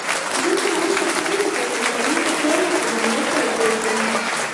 زه تر اوسه پورې د پښتونولۍ په تور لکه مرغه ترپېږم.